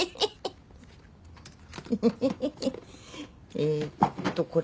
えーっとこれ。